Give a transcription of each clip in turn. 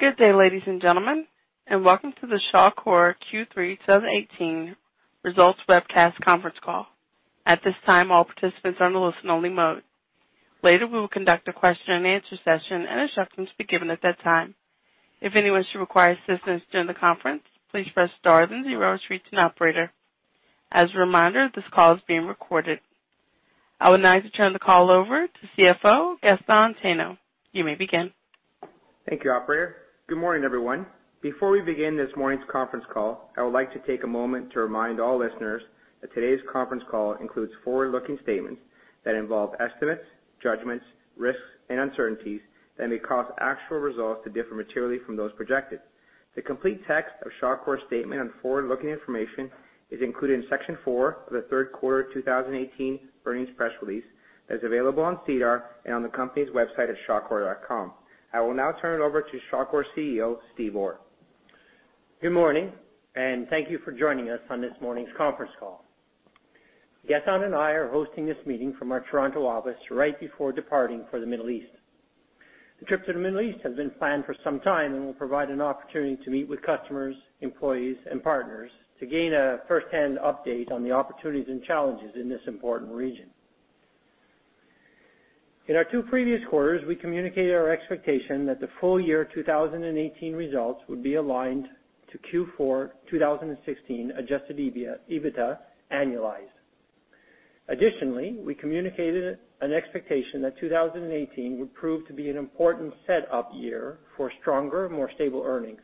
Good day, ladies and gentlemen, and welcome to the Shawcor Q3 2018 Results Webcast conference call. At this time, all participants are in a listen-only mode. Later, we will conduct a question-and-answer session, and instructions will be given at that time. If anyone should require assistance during the conference, please press star then zero to reach an operator. As a reminder, this call is being recorded. I would now like to turn the call over to CFO Gaston Tano. You may begin. Thank you, Operator. Good morning, everyone. Before we begin this morning's conference call, I would like to take a moment to remind all listeners that today's conference call includes forward-looking statements that involve estimates, judgments, risks, and uncertainties that may cause actual results to differ materially from those projected. The complete text of Shawcor's statement on forward-looking information is included in Section 4 of the Third Quarter 2018 earnings press release that is available on SEDAR and on the company's website at shawcor.com. I will now turn it over to Shawcor CEO Steve Orr. Good morning, and thank you for joining us on this morning's conference call. Gaston and I are hosting this meeting from our Toronto office right before departing for the Middle East. The trip to the Middle East has been planned for some time and will provide an opportunity to meet with customers, employees, and partners to gain a first-hand update on the opportunities and challenges in this important region. In our two previous quarters, we communicated our expectation that the full year 2018 results would be aligned to Q4 2016 adjusted EBITDA annualized. Additionally, we communicated an expectation that 2018 would prove to be an important setup year for stronger, more stable earnings.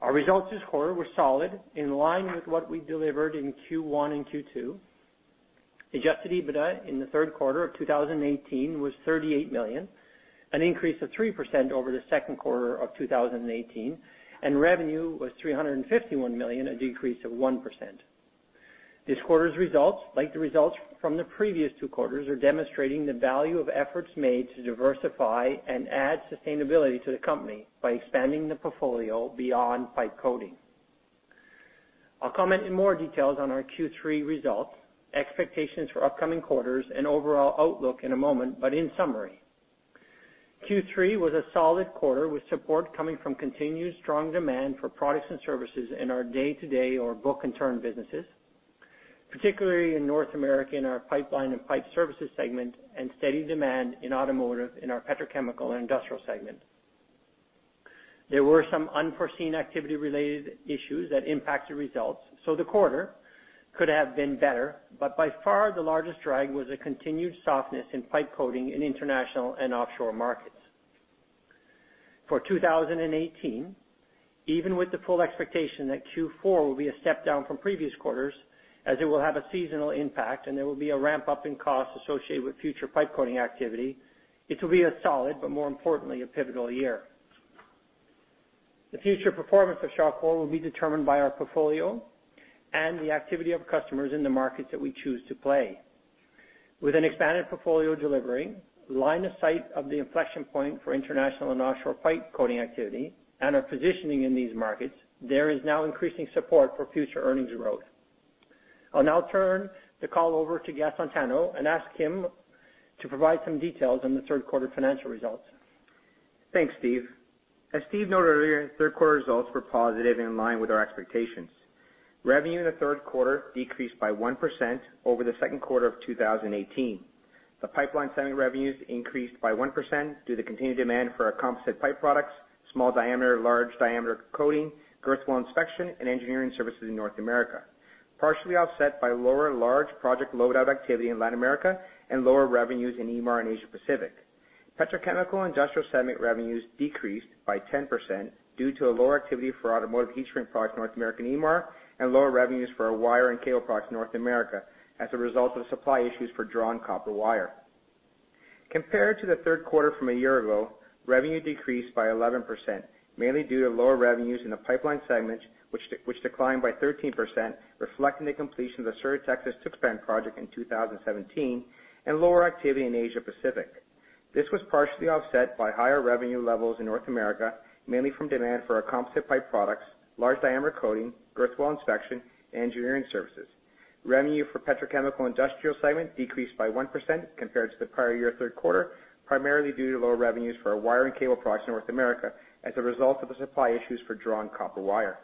Our results this quarter were solid, in line with what we delivered in Q1 and Q2. Adjusted EBITDA in the third quarter of 2018 was $38 million, an increase of 3% over the second quarter of 2018, and revenue was $351 million, a decrease of 1%. This quarter's results, like the results from the previous two quarters, are demonstrating the value of efforts made to diversify and add sustainability to the company by expanding the portfolio beyond pipe coating. I'll comment in more details on our Q3 results, expectations for upcoming quarters, and overall outlook in a moment, but in summary, Q3 was a solid quarter with support coming from continued strong demand for products and services in our day-to-day or book-and-turn businesses, particularly in North America in our pipeline and pipe services segment, and steady demand in automotive in our petrochemical and industrial segment. There were some unforeseen activity-related issues that impacted results, so the quarter could have been better, but by far the largest drag was a continued softness in pipe coating in international and offshore markets. For 2018, even with the full expectation that Q4 will be a step down from previous quarters, as it will have a seasonal impact and there will be a ramp-up in costs associated with future pipe coating activity, it will be a solid, but more importantly, a pivotal year. The future performance of Shawcor will be determined by our portfolio and the activity of customers in the markets that we choose to play. With an expanded portfolio delivery, line of sight of the inflection point for international and offshore pipe coating activity, and our positioning in these markets, there is now increasing support for future earnings growth. I'll now turn the call over to Gaston Tano and ask him to provide some details on the third quarter financial results. Thanks, Steve. As Steve noted earlier, third quarter results were positive and in line with our expectations. Revenue in the third quarter decreased by 1% over the second quarter of 2018. The pipeline segment revenues increased by 1% due to continued demand for our composite pipe products, small diameter, large diameter coating, girth weld inspection, and engineering services in North America. Partially offset by lower large project load-out activity in Latin America and lower revenues in EMAR and Asia Pacific. Petrochemical and industrial segment revenues decreased by 10% due to a lower activity for automotive heat shrink products North America and EMAR, and lower revenues for our wire and cable products North America as a result of supply issues for drawn copper wire. Compared to the third quarter from a year ago, revenue decreased by 11%, mainly due to lower revenues in the pipeline segment, which declined by 13%, reflecting the completion of the Sur de Texas-Tuxpan project in 2017, and lower activity in Asia Pacific. This was partially offset by higher revenue levels in North America, mainly from demand for our composite pipe products, large diameter coating, girth wall inspection, and engineering services. Revenue for petrochemical industrial segment decreased by 1% compared to the prior year third quarter, primarily due to lower revenues for our wire and cable products North America as a result of the supply issues for drawn copper wire.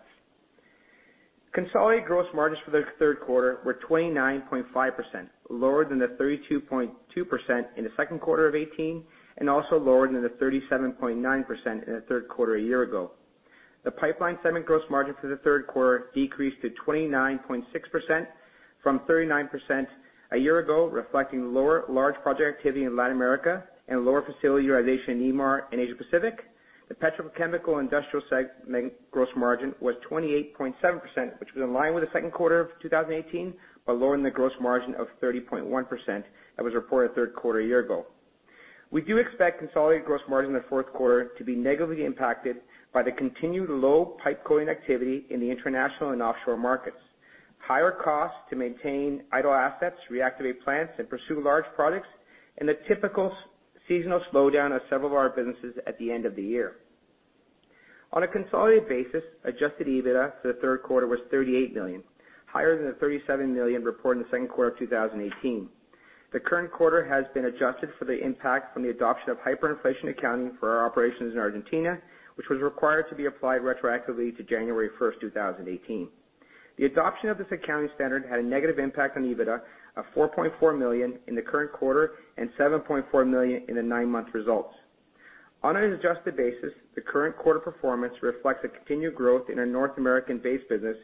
Consolidated gross margins for the third quarter were 29.5%, lower than the 32.2% in the second quarter of 2018, and also lower than the 37.9% in the third quarter a year ago. The pipeline segment gross margin for the third quarter decreased to 29.6% from 39% a year ago, reflecting lower large project activity in Latin America and lower facility utilization in EMAR and Asia Pacific. The petrochemical industrial segment gross margin was 28.7%, which was in line with the second quarter of 2018, but lower than the gross margin of 30.1% that was reported third quarter a year ago. We do expect consolidated gross margin in the fourth quarter to be negatively impacted by the continued low pipe coating activity in the international and offshore markets, higher costs to maintain idle assets, reactivate plants, and pursue large projects, and the typical seasonal slowdown of several of our businesses at the end of the year. On a consolidated basis, adjusted EBITDA for the third quarter was $38 million, higher than the $37 million reported in the second quarter of 2018. The current quarter has been adjusted for the impact from the adoption of hyperinflation accounting for our operations in Argentina, which was required to be applied retroactively to January 1st, 2018. The adoption of this accounting standard had a negative impact on EBITDA of $4.4 million in the current quarter and $7.4 million in the nine-month results. On an adjusted basis, the current quarter performance reflects a continued growth in our North American-based business,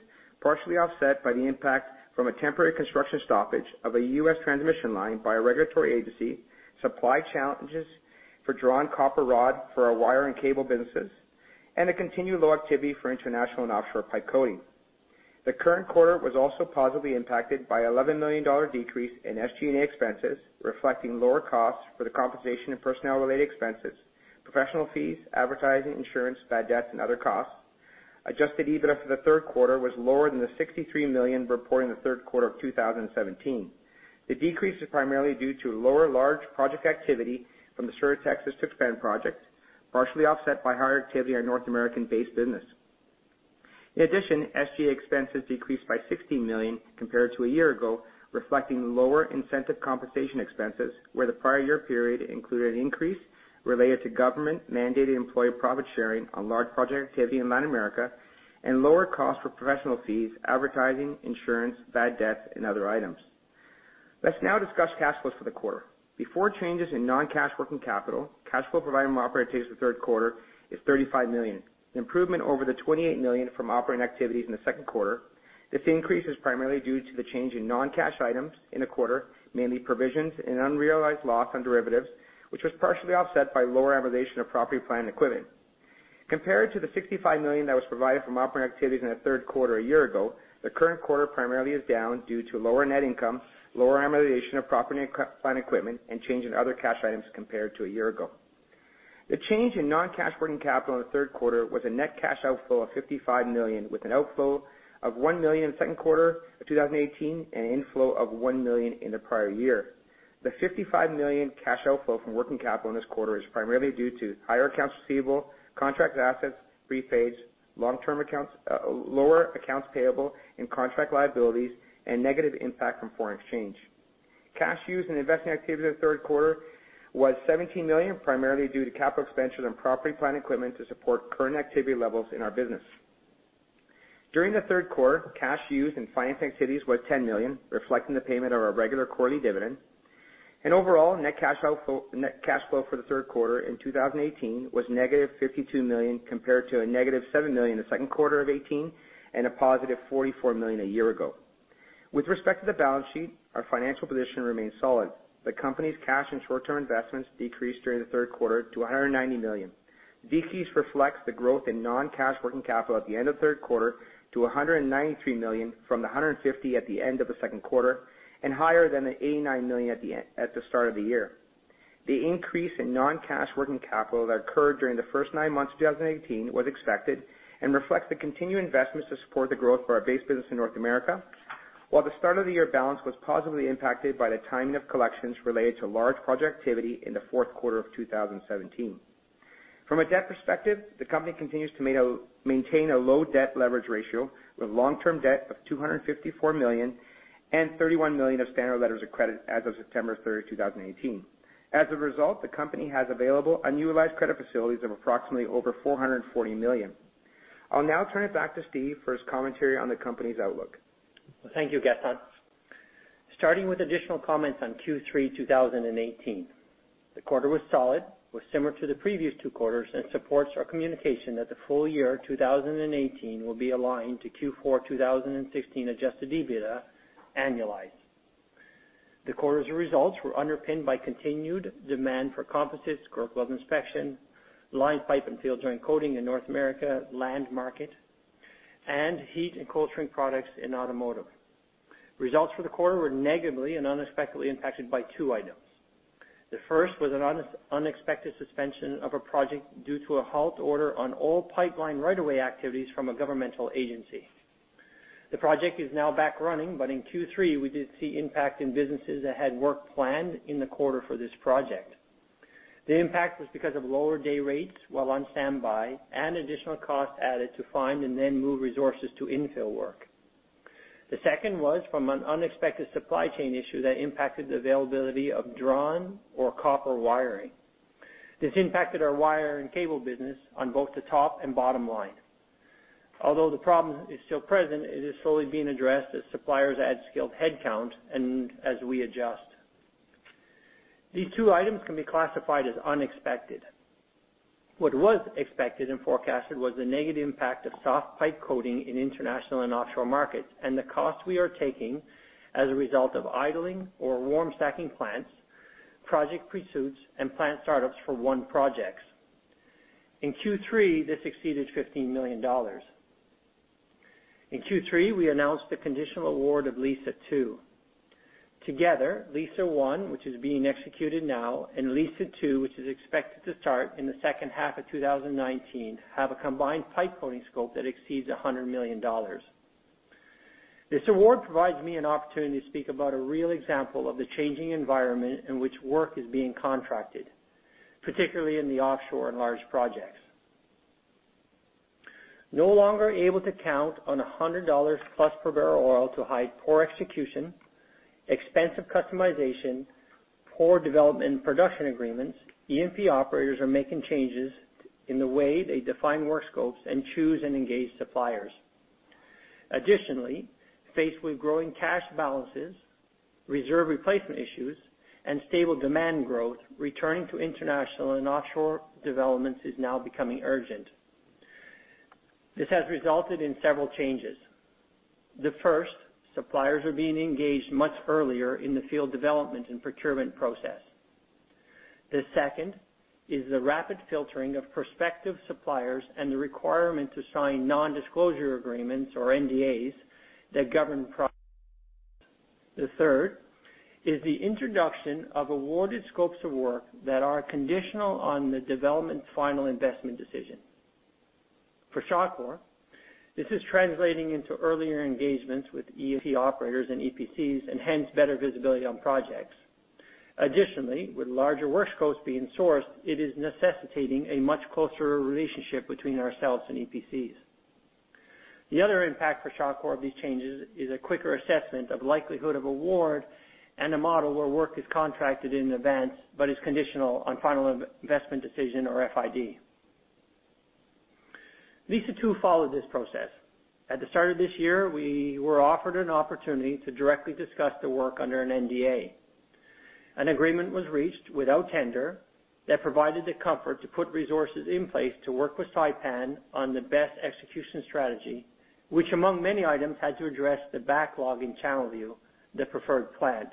partially offset by the impact from a temporary construction stoppage of a U.S. transmission line by a regulatory agency, supply challenges for drawn copper rod for our wire and cable businesses, and a continued low activity for international and offshore pipe coating. The current quarter was also positively impacted by an $11 million decrease in SG&A expenses, reflecting lower costs for the compensation and personnel-related expenses, professional fees, advertising, insurance, bad debts, and other costs. Adjusted EBITDA for the third quarter was lower than the $63 million reported in the third quarter of 2017. The decrease is primarily due to lower large project activity from the Sur de Texas-Tuxpan project, partially offset by higher activity in our North American-based business. In addition, SG&A expenses decreased by $60 million compared to a year ago, reflecting lower incentive compensation expenses, where the prior year period included an increase related to government-mandated employee profit sharing on large project activity in Latin America, and lower costs for professional fees, advertising, insurance, bad debts, and other items. Let's now discuss cash flows for the quarter. Before changes in non-cash working capital, cash flow provided from operating activities in the third quarter is $35 million, an improvement over the $28 million from operating activities in the second quarter. This increase is primarily due to the change in non-cash items in the quarter, mainly provisions and unrealized loss on derivatives, which was partially offset by lower amortization of property, plant and equipment. Compared to the $65 million that was provided from operating activities in the third quarter a year ago, the current quarter primarily is down due to lower net income, lower amortization of property, plant and equipment, and change in other cash items compared to a year ago. The change in non-cash working capital in the third quarter was a net cash outflow of $55 million, with an outflow of $1 million in the second quarter of 2018 and an inflow of $1 million in the prior year. The $55 million cash outflow from working capital in this quarter is primarily due to higher accounts receivable, contract assets, prepaids, long-term accounts, lower accounts payable, and contract liabilities, and negative impact from foreign exchange. Cash used in investing activities in the third quarter was $17 million, primarily due to capital expenditures on property, plant equipment to support current activity levels in our business. During the third quarter, cash used in financing activities was $10 million, reflecting the payment of our regular quarterly dividend. Overall, net cash flow for the third quarter in 2018 was -$52 million compared to -$7 million in the second quarter of 2018 and +$44 million a year ago. With respect to the balance sheet, our financial position remains solid. The company's cash and short-term investments decreased during the third quarter to $190 million. The decrease reflects the growth in non-cash working capital at the end of the third quarter to $193 million from the $150 mlllion at the end of the second quarter, and higher than the $89 million at the start of the year. The increase in non-cash working capital that occurred during the first nine months of 2018 was expected and reflects the continued investments to support the growth of our base business in North America, while the start of the year balance was positively impacted by the timing of collections related to large project activity in the fourth quarter of 2017. From a debt perspective, the company continues to maintain a low debt leverage ratio, with long-term debt of $254 million and $31 million of standard letters of credit as of September 3rd, 2018. As a result, the company has available unutilized credit facilities of approximately over $440 million. I'll now turn it back to Steve for his commentary on the company's outlook. Thank you, Gaston. Starting with additional comments on Q3 2018. The quarter was solid, was similar to the previous two quarters, and supports our communication that the full year 2018 will be aligned to Q4 2016 adjusted EBITDA annualized. The quarter's results were underpinned by continued demand for composite girth wall inspection, line pipe and field joint coating in North America, land market, and heat and cold shrink products in automotive. Results for the quarter were negatively and unexpectedly impacted by two items. The first was an unexpected suspension of a project due to a halt order on all pipeline right-of-way activities from a governmental agency. The project is now back running, but in Q3 we did see impact in businesses that had work planned in the quarter for this project. The impact was because of lower day rates while on standby and additional costs added to find and then move resources to infill work. The second was from an unexpected supply chain issue that impacted the availability of drawn copper wiring. This impacted our wire and cable business on both the top and bottom line. Although the problem is still present, it is slowly being addressed as suppliers add skilled headcount and as we adjust. These two items can be classified as unexpected. What was expected and forecasted was the negative impact of soft pipe coating in international and offshore markets and the costs we are taking as a result of idling or warm stacking plants, project pursuits, and plant startups for one projects. In Q3, this exceeded $15 million. In Q3, we announced the conditional award of Liza 2. Together, Liza 1, which is being executed now, and Liza 2, which is expected to start in the second half of 2019, have a combined pipe coating scope that exceeds $100 million. This award provides me an opportunity to speak about a real example of the changing environment in which work is being contracted, particularly in the offshore and large projects. No longer able to count on $100+ per barrel oil to hide poor execution, expensive customization, poor development and production agreements, E&P operators are making changes in the way they define work scopes and choose and engage suppliers. Additionally, faced with growing cash balances, reserve replacement issues, and stable demand growth, returning to international and offshore developments is now becoming urgent. This has resulted in several changes. The first, suppliers are being engaged much earlier in the field development and procurement process. The second is the rapid filtering of prospective suppliers and the requirement to sign non-disclosure agreements, or NDAs, that govern products. The third is the introduction of awarded scopes of work that are conditional on the development final investment decision. For Shawcor, this is translating into earlier engagements with EMP operators and EPCs, and hence better visibility on projects. Additionally, with larger work scopes being sourced, it is necessitating a much closer relationship between ourselves and EPCs. The other impact for Shawcor of these changes is a quicker assessment of likelihood of award and a model where work is contracted in advance but is conditional on final investment decision, or FID. Liza 2 followed this process. At the start of this year, we were offered an opportunity to directly discuss the work under an NDA. An agreement was reached without tender that provided the comfort to put resources in place to work with Saipem on the best execution strategy, which among many items had to address the backlog in Channelview, the preferred plant.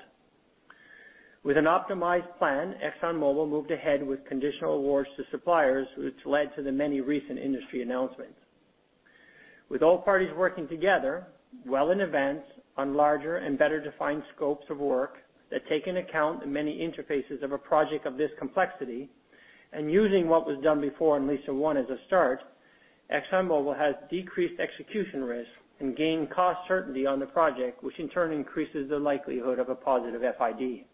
With an optimized plan, ExxonMobil moved ahead with conditional awards to suppliers, which led to the many recent industry announcements. With all parties working together well in advance on larger and better defined scopes of work that take into account many interfaces of a project of this complexity, and using what was done before in Liza 1 as a start, ExxonMobil has decreased execution risk and gained cost certainty on the project, which in turn increases the likelihood of a positive FID.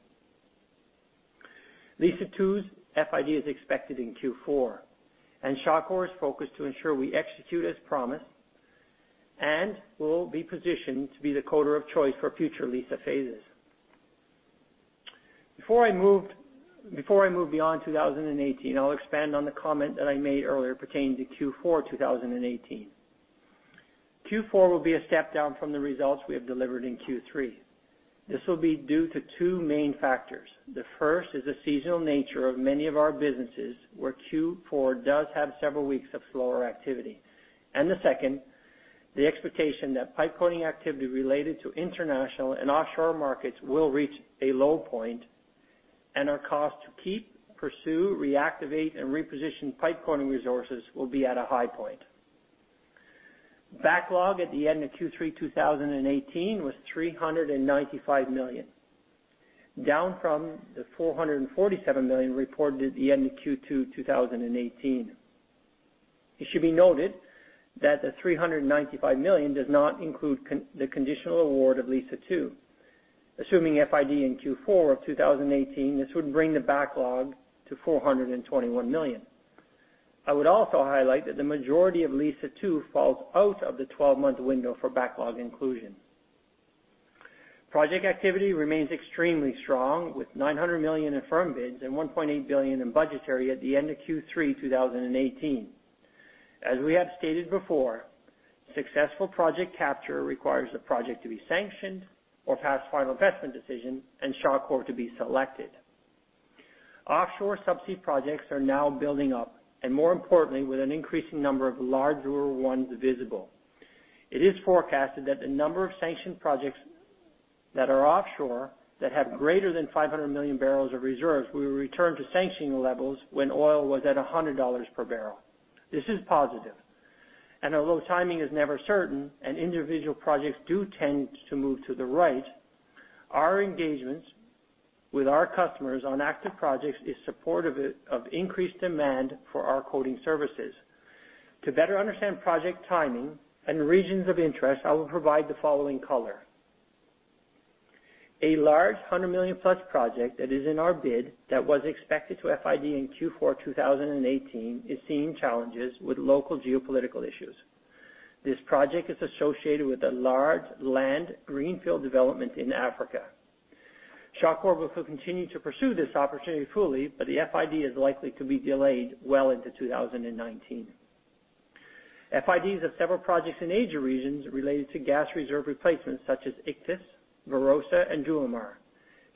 Liza 2's FID is expected in Q4, and Shawcor is focused to ensure we execute as promised and will be positioned to be the coater of choice for future Liza phases. Before I move beyond 2018, I'll expand on the comment that I made earlier pertaining to Q4 2018. Q4 will be a step down from the results we have delivered in Q3. This will be due to two main factors. The first is the seasonal nature of many of our businesses, where Q4 does have several weeks of slower activity. The second, the expectation that pipe coating activity related to international and offshore markets will reach a low point, and our cost to keep, pursue, reactivate, and reposition pipe coating resources will be at a high point. Backlog at the end of Q3 2018 was $395 million, down from the $447 million reported at the end of Q2 2018. It should be noted that the $395 million does not include the conditional award of Liza 2. Assuming FID in Q4 of 2018, this would bring the backlog to $421 million. I would also highlight that the majority of Liza 2 falls out of the 12-month window for backlog inclusion. Project activity remains extremely strong, with $900 million in firm bids and $1.8 billion in budgetary at the end of Q3 2018. As we have stated before, successful project capture requires the project to be sanctioned or pass final investment decision, and Shawcor to be selected. Offshore subsea projects are now building up, and more importantly, with an increasing number of larger ones visible. It is forecasted that the number of sanctioned projects that are offshore that have greater than 500 million barrels of reserves will return to sanctioning levels when oil was at $100 per barrel. This is positive. Although timing is never certain, and individual projects do tend to move to the right, our engagements with our customers on active projects are supportive of increased demand for our coating services. To better understand project timing and regions of interest, I will provide the following color. A large $100 million+ project that is in our bid that was expected to FID in Q4 2018 is seeing challenges with local geopolitical issues. This project is associated with a large land greenfield development in Africa. Shawcor will continue to pursue this opportunity fully, but the FID is likely to be delayed well into 2019. FIDs of several projects in Asia regions related to gas reserve replacements, such as Ichthys, Barossa, and Myanmar.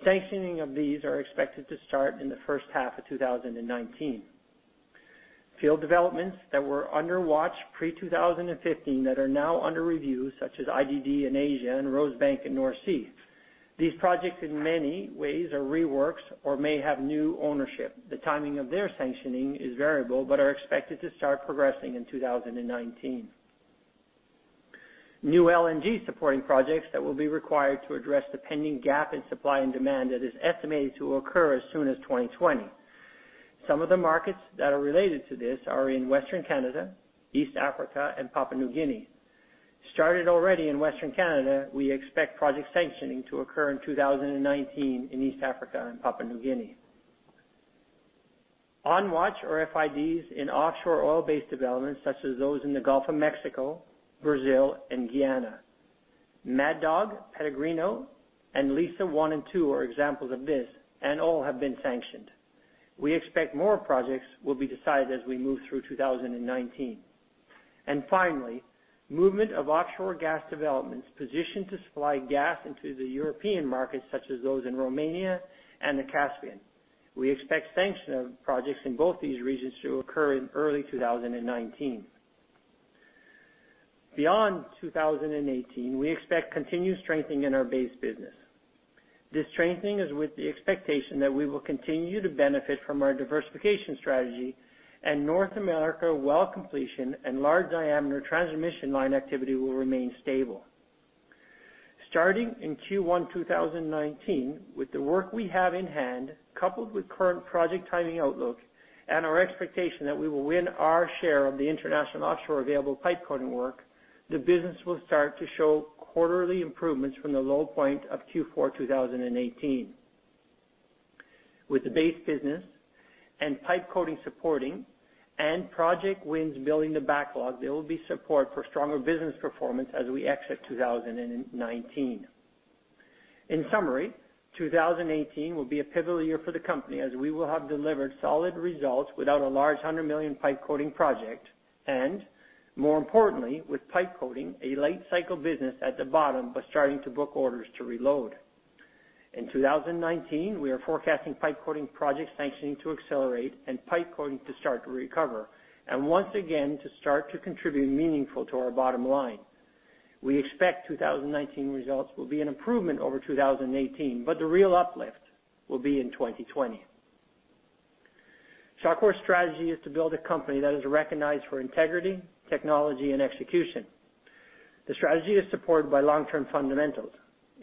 Sanctioning of these is expected to start in the first half of 2019. Field developments that were under watch pre-2015 that are now under review, such as IDD in Asia and Rosebank in North Sea. These projects in many ways are reworks or may have new ownership. The timing of their sanctioning is variable, but are expected to start progressing in 2019. New LNG supporting projects that will be required to address the pending gap in supply and demand that is estimated to occur as soon as 2020. Some of the markets that are related to this are in Western Canada, East Africa, and Papua New Guinea. Started already in Western Canada, we expect project sanctioning to occur in 2019 in East Africa and Papua New Guinea. On watch are FIDs in offshore oil-based developments, such as those in the Gulf of Mexico, Brazil, and Guyana. Mad Dog, Peregrino, and Liza 1 and 2 are examples of this, and all have been sanctioned. We expect more projects will be decided as we move through 2019. And finally, movement of offshore gas developments positioned to supply gas into the European markets, such as those in Romania and the Caspian. We expect sanction of projects in both these regions to occur in early 2019. Beyond 2018, we expect continued strengthening in our base business. This strengthening is with the expectation that we will continue to benefit from our diversification strategy, and North America well completion and large diameter transmission line activity will remain stable. Starting in Q1 2019, with the work we have in hand, coupled with current project timing outlook, and our expectation that we will win our share of the international offshore available pipe coating work, the business will start to show quarterly improvements from the low point of Q4 2018. With the base business and pipe coating supporting, and project wins building the backlog, there will be support for stronger business performance as we exit 2019. In summary, 2018 will be a pivotal year for the company, as we will have delivered solid results without a large $100 million pipe coating project, and more importantly, with pipe coating, a late cycle business at the bottom but starting to book orders to reload. In 2019, we are forecasting pipe coating project sanctioning to accelerate and pipe coating to start to recover, and once again to start to contribute meaningful to our bottom line. We expect 2019 results will be an improvement over 2018, but the real uplift will be in 2020. Shawcor's strategy is to build a company that is recognized for integrity, technology, and execution. The strategy is supported by long-term fundamentals: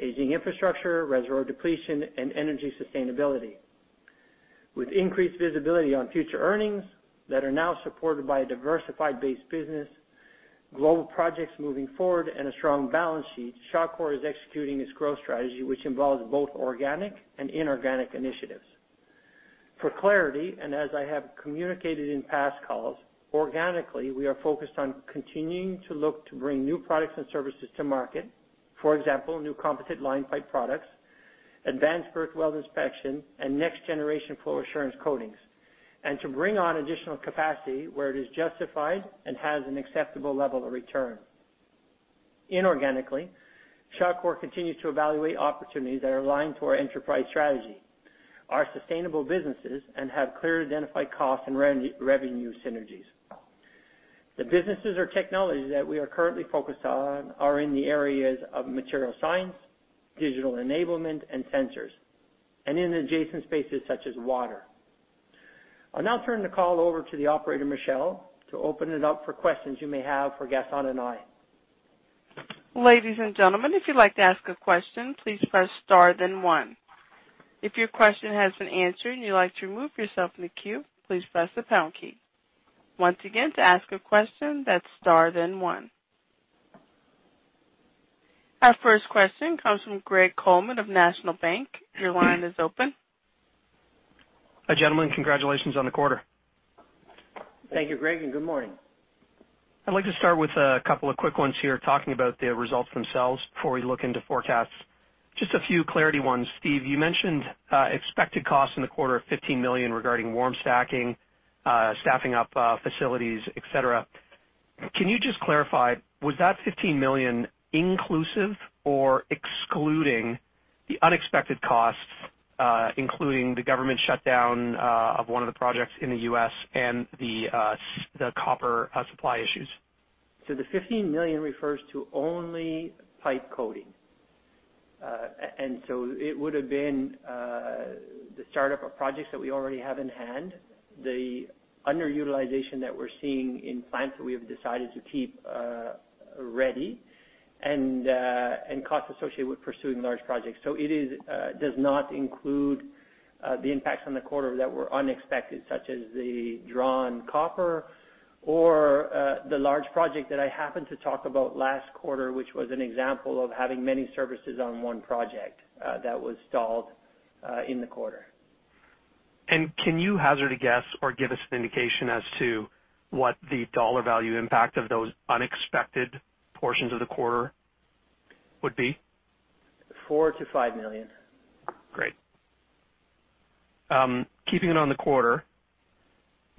aging infrastructure, reservoir depletion, and energy sustainability. With increased visibility on future earnings that are now supported by a diversified base business, global projects moving forward, and a strong balance sheet, Shawcor's is executing its growth strategy, which involves both organic and inorganic initiatives. For clarity, and as I have communicated in past calls, organically we are focused on continuing to look to bring new products and services to market, for example, new composite line pipe products, advanced girth wall inspection, and next-generation flow assurance coatings, and to bring on additional capacity where it is justified and has an acceptable level of return. Inorganically, Shawcor continues to evaluate opportunities that are aligned to our enterprise strategy, are sustainable businesses, and have clear identified cost and revenue synergies. The businesses or technologies that we are currently focused on are in the areas of material science, digital enablement, and sensors, and in adjacent spaces such as water. I'll now turn the call over to the operator, Michelle, to open it up for questions you may have for Gaston and I. Ladies and gentlemen, if you'd like to ask a question, please press star then one. If your question has been answered and you'd like to remove yourself from the queue, please press the pound key. Once again, to ask a question, that's star then one. Our first question comes from Greg Coleman of National Bank. Your line is open. Hi, gentlemen. Congratulations on the quarter. Thank you, Greg, and good morning. I'd like to start with a couple of quick ones here talking about the results themselves before we look into forecasts. Just a few clarity ones. Steve, you mentioned expected costs in the quarter of $15 million regarding warm stacking, staffing up facilities, etc. Can you just clarify, was that $15 million inclusive or excluding the unexpected costs, including the government shutdown of one of the projects in the U.S. and the copper supply issues? So the $15 million refers to only pipe coating. So it would have been the startup of projects that we already have in hand, the underutilization that we're seeing in plants that we have decided to keep ready, and costs associated with pursuing large projects. So it does not include the impacts on the quarter that were unexpected, such as the drawn copper or the large project that I happened to talk about last quarter, which was an example of having many services on one project that was stalled in the quarter. Can you hazard a guess or give us an indication as to what the dollar value impact of those unexpected portions of the quarter would be? $4 million-$5 million. Great. Keeping it on the quarter,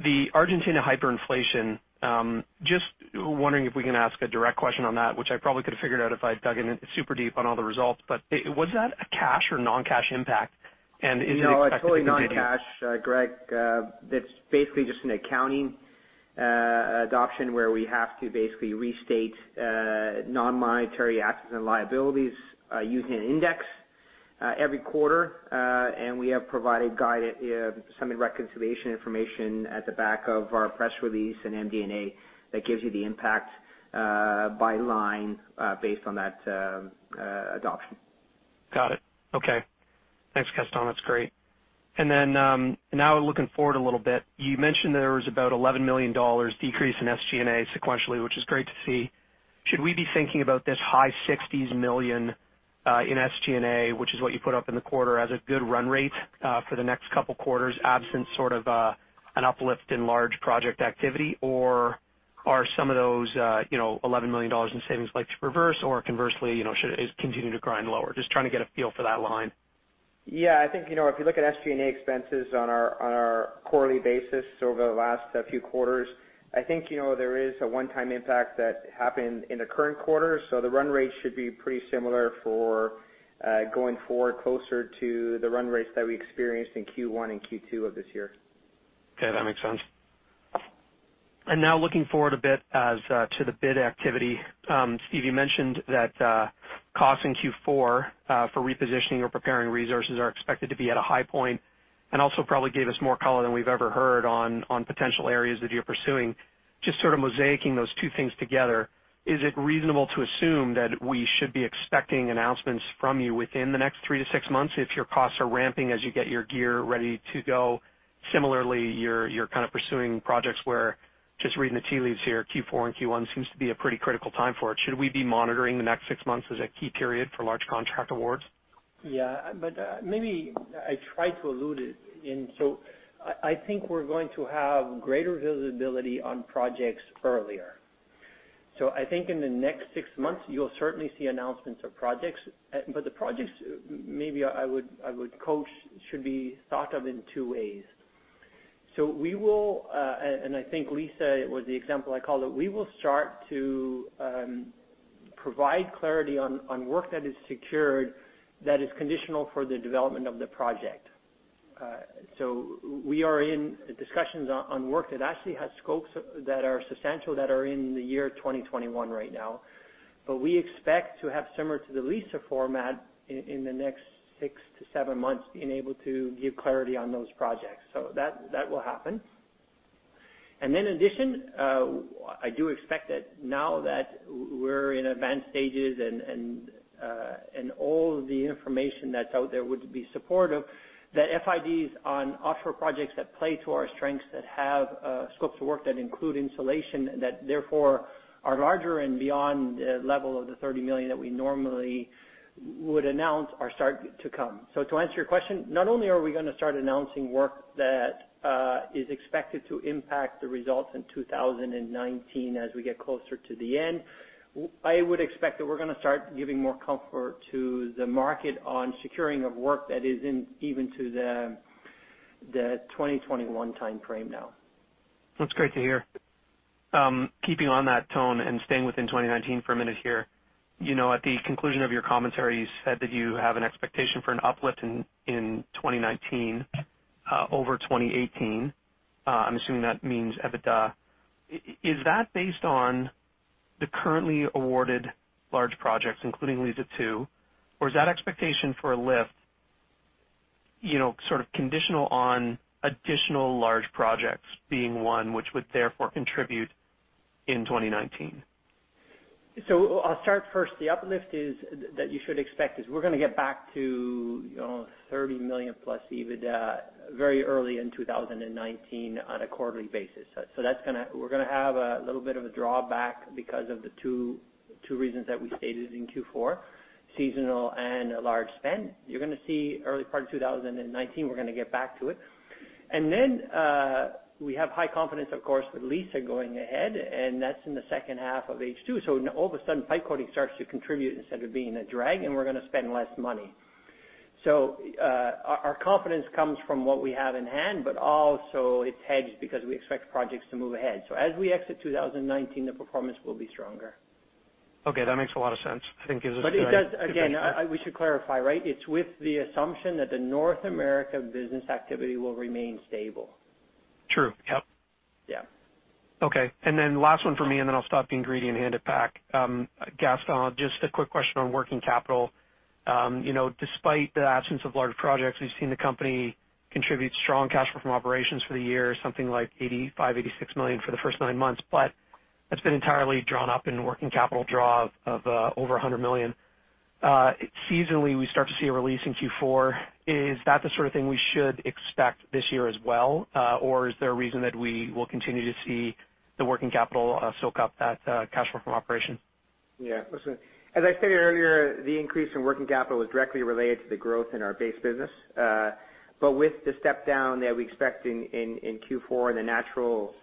the Argentina hyperinflation, just wondering if we can ask a direct question on that, which I probably could have figured out if I'd dug in super deep on all the results, but was that a cash or non-cash impact? And is it tax-related? No, it's totally non-cash, Greg. It's basically just an accounting adoption where we have to basically restate non-monetary assets and liabilities using an index every quarter. We have provided some reconciliation information at the back of our press release and MD&A that gives you the impact by line based on that adoption. Got it. Okay. Thanks, Gaston. That's great. Then now looking forward a little bit, you mentioned there was about $11 million decrease in SG&A sequentially, which is great to see. Should we be thinking about this high $60 million in SG&A, which is what you put up in the quarter, as a good run rate for the next couple of quarters absent sort of an uplift in large project activity, or are some of those $11 million in savings likely to reverse, or conversely, should it continue to grind lower? Just trying to get a feel for that line. Yeah. I think if you look at SG&A expenses on our quarterly basis over the last few quarters, I think there is a one-time impact that happened in the current quarter. So the run rate should be pretty similar for going forward closer to the run rates that we experienced in Q1 and Q2 of this year. Okay. That makes sense. Now looking forward a bit to the bid activity, Steve, you mentioned that costs in Q4 for repositioning or preparing resources are expected to be at a high point, and also probably gave us more color than we've ever heard on potential areas that you're pursuing. Just sort of mosaicing those two things together, is it reasonable to assume that we should be expecting announcements from you within the next 3-6 months if your costs are ramping as you get your gear ready to go? Similarly, you're kind of pursuing projects where just reading the tea leaves here, Q4 and Q1 seems to be a pretty critical time for it. Should we be monitoring the next 6 months as a key period for large contract awards? Yeah. But maybe I tried to allude it. And so I think we're going to have greater visibility on projects earlier. So I think in the next six months, you'll certainly see announcements of projects. But the projects maybe I would couch should be thought of in two ways. So we will, and I think Liza was the example I called it, we will start to provide clarity on work that is secured that is conditional for the development of the project. So we are in discussions on work that actually has scopes that are substantial that are in the year 2021 right now. But we expect to have similar to the Liza format in the next six to seven months being able to give clarity on those projects. So that will happen. In addition, I do expect that now that we're in advanced stages and all the information that's out there would be supportive, that FIDs on offshore projects that play to our strengths that have scopes of work that include insulation that therefore are larger and beyond the level of the $30 million that we normally would announce are starting to come. To answer your question, not only are we going to start announcing work that is expected to impact the results in 2019 as we get closer to the end, I would expect that we're going to start giving more comfort to the market on securing of work that isn't even to the 2021 timeframe now. That's great to hear. Keeping on that tone and staying within 2019 for a minute here, at the conclusion of your commentary, you said that you have an expectation for an uplift in 2019 over 2018. I'm assuming that means EBITDA. Is that based on the currently awarded large projects, including Liza 2, or is that expectation for a lift sort of conditional on additional large projects being won, which would therefore contribute in 2019? So I'll start first. The uplift that you should expect is we're going to get back to $30 million plus EBITDA very early in 2019 on a quarterly basis. So we're going to have a little bit of a drawback because of the two reasons that we stated in Q4, seasonal and large spend. You're going to see early part of 2019, we're going to get back to it. And then we have high confidence, of course, with Liza going ahead, and that's in the second half of H2. So all of a sudden, pipe coating starts to contribute instead of being a drag, and we're going to spend less money. So our confidence comes from what we have in hand, but also it's hedged because we expect projects to move ahead. So as we exit 2019, the performance will be stronger. Okay. That makes a lot of sense. I think gives us a good. But it does, again, we should clarify, right? It's with the assumption that the North America business activity will remain stable. True. Yep. Yeah. Okay. And then last one for me, and then I'll stop and hand the mic back. Gaston, just a quick question on working capital. Despite the absence of large projects, we've seen the company contribute strong cash flow from operations for the year, something like $85-$86 million for the first nine months, but that's been entirely drawn up in working capital draw of over $100 million. Seasonally, we start to see a release in Q4. Is that the sort of thing we should expect this year as well, or is there a reason that we will continue to see the working capital soak up that cash flow from operations? Yeah. As I stated earlier, the increase in working capital is directly related to the growth in our base business. But with the step down that we expect in Q4 and the natural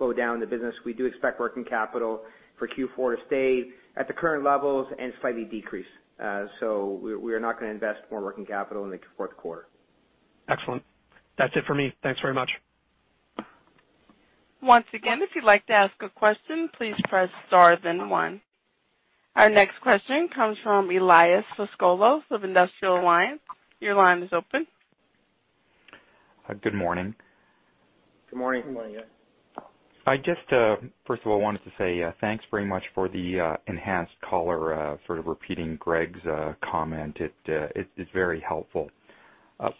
slowdown in the business, we do expect working capital for Q4 to stay at the current levels and slightly decrease. So we are not going to invest more working capital in the fourth quarter. Excellent. That's it for me. Thanks very much. Once again, if you'd like to ask a question, please press star then one. Our next question comes from Elias Foscolos of Industrial Alliance. Your line is open. Good morning. Good morning. Good morning, guys. I just, first of all, wanted to say thanks very much for the enhanced color for repeating Greg's comment. It is very helpful.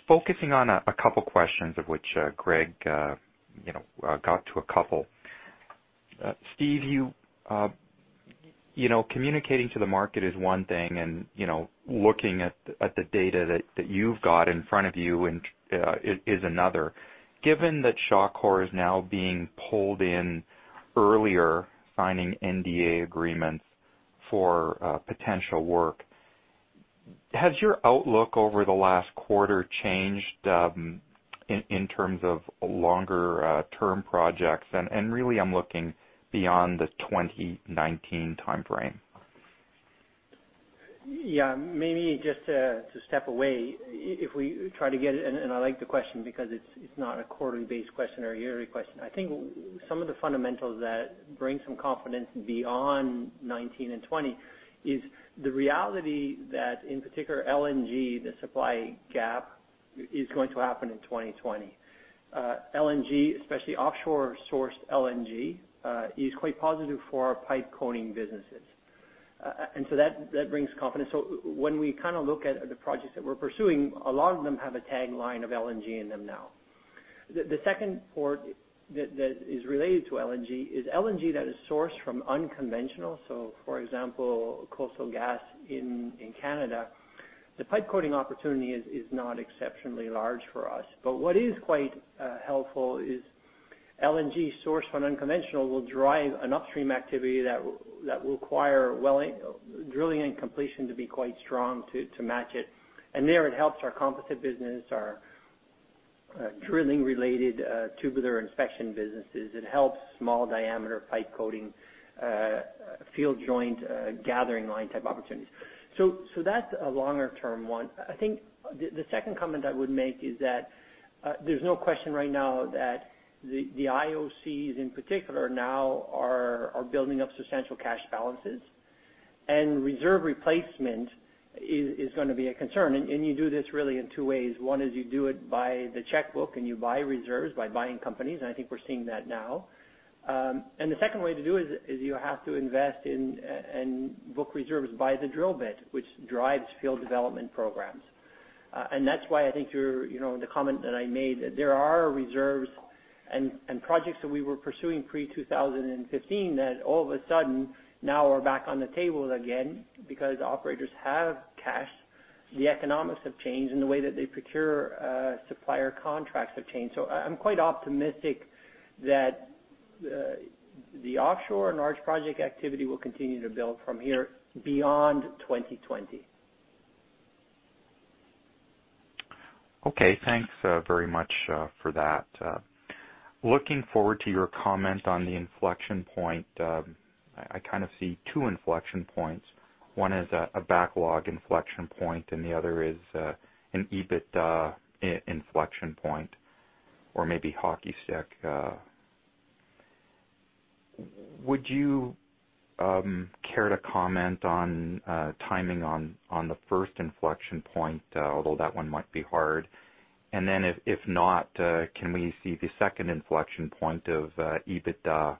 Focusing on a couple of questions of which Greg got to a couple. Steve, communicating to the market is one thing, and looking at the data that you've got in front of you is another. Given that Shawcor is now being pulled in earlier, signing NDA agreements for potential work, has your outlook over the last quarter changed in terms of longer-term projects? And really, I'm looking beyond the 2019 timeframe. Yeah. Maybe just to step away, if we try to get it, and I like the question because it's not a quarterly-based question or a yearly question. I think some of the fundamentals that bring some confidence beyond 2019 and 2020 is the reality that, in particular, LNG, the supply gap, is going to happen in 2020. LNG, especially offshore-sourced LNG, is quite positive for our pipe coating businesses. And so that brings confidence. So when we kind of look at the projects that we're pursuing, a lot of them have a tagline of LNG in them now. The second part that is related to LNG is LNG that is sourced from unconventional, so for example, coastal gas in Canada. The pipe coating opportunity is not exceptionally large for us. But what is quite helpful is LNG sourced from unconventional will drive an upstream activity that will require drilling and completion to be quite strong to match it. And there it helps our composite business, our drilling-related tubular inspection businesses. It helps small diameter pipe coating, field joint gathering line type opportunities. So that's a longer-term one. I think the second comment I would make is that there's no question right now that the IOCs in particular now are building up substantial cash balances, and reserve replacement is going to be a concern. And you do this really in two ways. One is you do it by the checkbook and you buy reserves by buying companies, and I think we're seeing that now. And the second way to do it is you have to invest in and book reserves by the drill bit, which drives field development programs. And that's why I think the comment that I made, there are reserves and projects that we were pursuing pre-2015 that all of a sudden now are back on the table again because operators have cash. The economics have changed and the way that they procure supplier contracts have changed. So I'm quite optimistic that the offshore and large project activity will continue to build from here beyond 2020. Okay. Thanks very much for that. Looking forward to your comment on the inflection point. I kind of see two inflection points. One is a backlog inflection point, and the other is an EBIT inflection point or maybe hockey stick. Would you care to comment on timing on the first inflection point, although that one might be hard? Then if not, can we see the second inflection point of EBITDA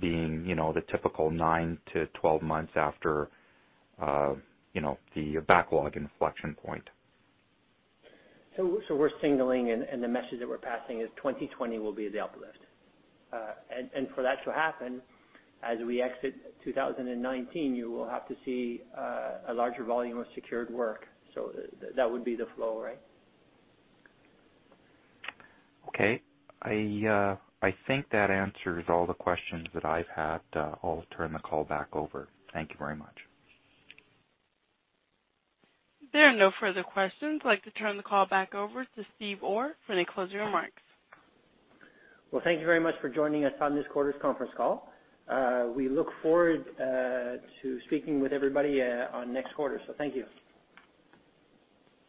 being the typical 9-12 months after the backlog inflection point? So we're signaling, and the message that we're passing is 2020 will be the uplift. For that to happen, as we exit 2019, you will have to see a larger volume of secured work. So that would be the flow, right? Okay. I think that answers all the questions that I've had. I'll turn the call back over. Thank you very much. There are no further questions. I'd like to turn the call back over to Steve Orr for any closing remarks. Well, thank you very much for joining us on this quarter's conference call. We look forward to speaking with everybody on next quarter. So thank you.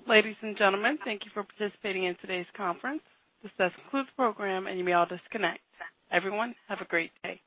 Ladies and gentlemen, thank you for participating in today's conference. This has concluded the program, and you may all disconnect. Everyone, have a great day.